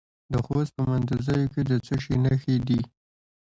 د خوست په مندوزیو کې د څه شي نښې دي؟